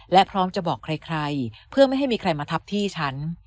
และพร้อมจะบอกใครเพื่อไม่ให้มีใครมาทับที่ฉัน